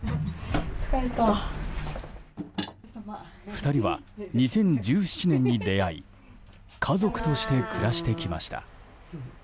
２人は２０１７年に出会い家族として暮らしてきました。